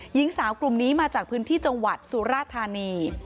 หญิงสาวกลุ่มนี้มาจากพื้นที่จังหวัดสุราธานี